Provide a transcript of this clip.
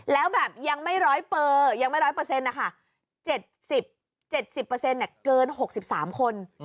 แล้วแบบยังไม่ร้อยเปอยังไม่ร้อยเปอเซ็นต์นะคะ๗๐๗๐เปอเซ็นต์เนี่ยเกิน๖๓คน